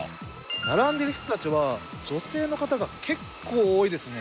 並んでる人たちは女性の方が結構多いですね。